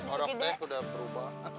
orang teh udah berubah